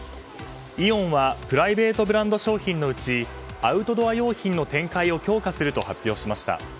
イオンはプライベートブランド商品のうちアウトドア用品の展開を強化すると発表しました。